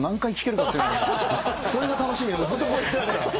それが楽しみでずっとこうやって。